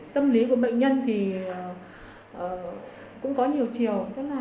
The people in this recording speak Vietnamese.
tâm lý của bệnh nhân thì cũng có nhiều chiều